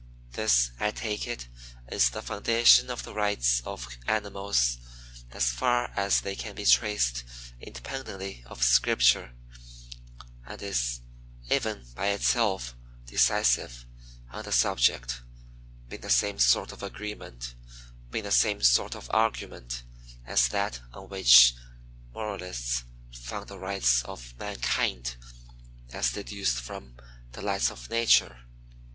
This, I take it, is the foundation of the rights of animals, as far as they can be traced independently of scripture, and is, even by itself, decisive on the subject, being the same sort of argument as that on which moralists found the Rights of Mankind, as deduced from the Lights of Nature.